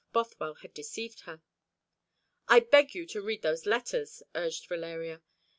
Bothwell had deceived her. "I beg you to read those letters," urged Valeria.